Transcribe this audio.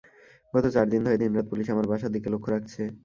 গত চারদিন ধরে দিনরাত পুলিশ আমার বাসার দিকে লক্ষ রাখছে।